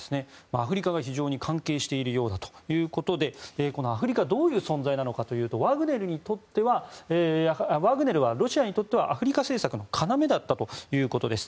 アフリカが非常に関係しているようだということでこのアフリカはどういう存在かというとワグネルはロシアにとってはアフリカ政策の要だったということです。